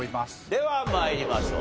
では参りましょう。